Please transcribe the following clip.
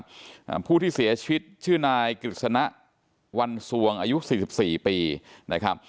อ่าผู้ที่เสียชีวิตชื่อนายกฤษณะวันสวงอายุสี่สิบสี่ปีนะครับ